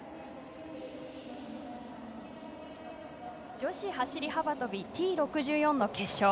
女子走り幅跳びＴ６４の決勝。